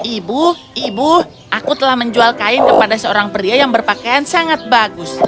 ibu ibu aku telah menjual kain kepada seorang pria yang berpakaian sangat bagus